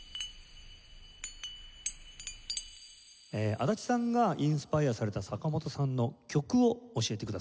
安達さんがインスパイアされた坂本さんの曲を教えてください。